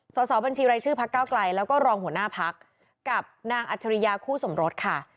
สอบบัญชีรายชื่อพักเก้าไกลแล้วก็รองหัวหน้าพักกับนางอัจฉริยาคู่สมรสค่ะ